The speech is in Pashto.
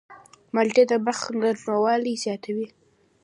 مالټې د مخ نرموالی زیاتوي.